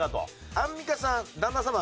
アンミカさん旦那さま